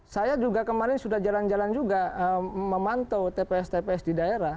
saya juga kemarin sudah jalan jalan juga memantau tps tps di daerah